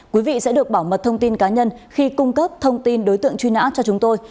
quý vị sẽ được bảo mật thông tin cá nhân khi cung cấp thông tin đối tượng truy nã cho chúng tôi